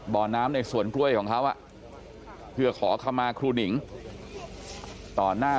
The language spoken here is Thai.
บ่อน้ำในสวนกล้วยของเขาเพื่อขอขมาครูหนิงต่อหน้า